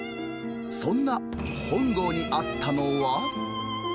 そんな本郷にあったのは。